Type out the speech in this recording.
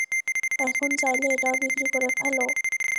এখন, চাইলে এটাও বিক্রি করে ফেলো!